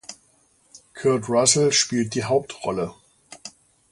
Kurt Russell spielt die Hauptrolle.